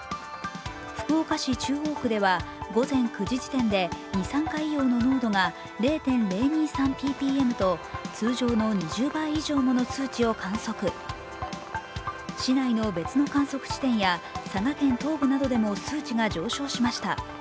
福岡市中央区では午前９時時点で二酸化硫黄の濃度が０．０２３ｐｐｍと通常の２０倍以上もの数値を観測市内の別の観測地点や佐賀県東部などでも数値が上昇しました。